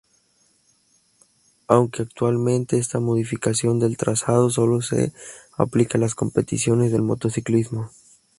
Aunque actualmente esta modificación del trazado sólo de aplica a las competiciones de motociclismo.